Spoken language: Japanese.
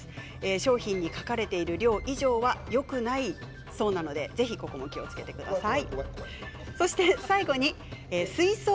商品に書かれている量以上はよくないそうなので気をつけてください。